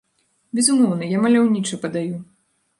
Безумоўна, я маляўніча падаю!